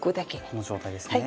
この状態ですね。